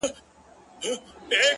څوك دي د جاناني كيسې نه كوي ـ